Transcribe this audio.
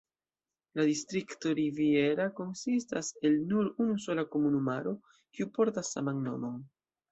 La distrikto Riviera konsistas el nur unu sola komunumaro, kiu portas saman nomon.